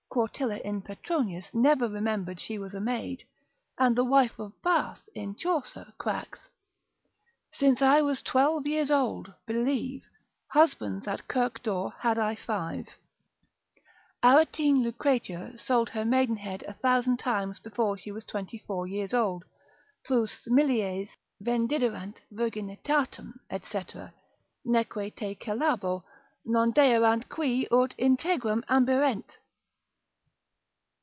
Quartilla in Petronius never remembered she was a maid; and the wife of Bath, in Chaucer, cracks, Since I was twelve years old, believe, Husbands at Kirk door had I five. Aratine Lucretia sold her maidenhead a thousand times before she was twenty four years old, plus milies vendiderant virginitatem, &c. neque te celabo, non deerant qui ut integram ambirent.